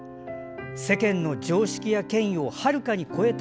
世間の常識や権威をはるかに超えた